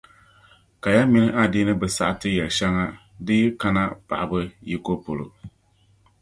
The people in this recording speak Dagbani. Kaya mini adiini bi saɣiti yɛli shɛŋa di yi kana paɣaba yiko polo.